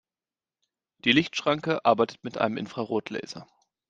Die Lichtschranke arbeitet mit einem Infrarotlaser.